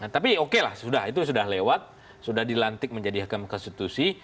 tapi oke lah sudah itu sudah lewat sudah dilantik menjadi hakim konstitusi